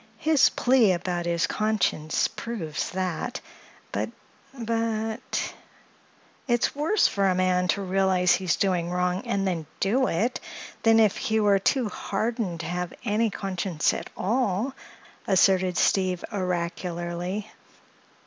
His plea about his conscience proves that. But—but—" "It's worse for a man to realize he's doing wrong, and then do it, than if he were too hardened to have any conscience at all," asserted Steve oracularly.